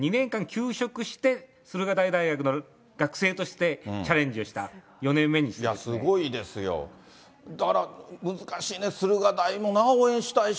中学校の教員を２年間休職して、駿河台大学の学生としてチャレンすごいですよ、だから難しいね、駿河台も応援したいし。